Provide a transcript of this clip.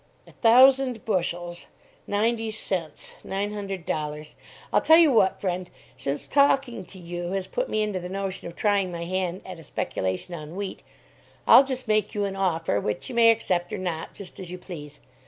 "A thousand bushels. Ninety cents; nine hundred dollars; I'll tell you what, friend, since talking to you has put me into the notion of trying my hand at a speculation on wheat, I'll just make you an offer, which you may accept or not, just as you please.